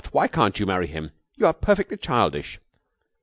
Why can't you marry him? You are perfectly childish."